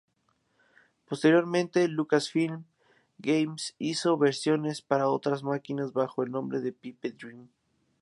Posteriormente LucasFilm Games hizo versiones para otras máquinas bajo el nombre de Pipe Dream.